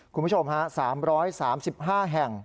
คุณผู้ชมฮะ๓๓๕แห่ง